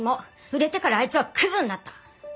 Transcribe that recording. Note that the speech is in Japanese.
売れてからあいつはクズになった。